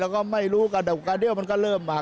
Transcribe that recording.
แล้วก็ไม่รู้กระดกกระเดี้ยวมันก็เริ่มมา